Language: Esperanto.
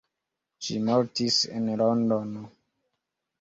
Ŝi mortis en Londono.